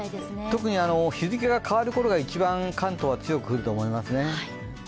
特に日付が変わるころが一番関東は強く降ると思いますね。